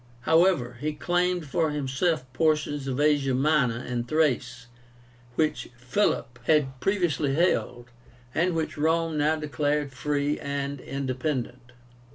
However, he claimed for himself portions of Asia Minor and Thrace, which Philip had previously held, and which Rome now declared free and independent.